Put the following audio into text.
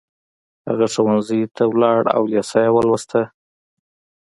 هغه ښوونځي ته لاړ او لېسه يې ولوسته.